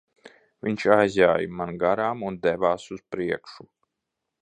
Viņš aizjāja man garām un devās uz priekšu.